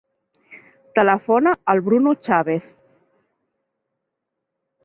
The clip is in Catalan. Telefona al Bruno Chavez.